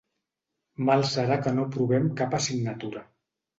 Mal serà que no aprovem cap assignatura.